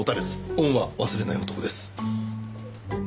恩は忘れない男です。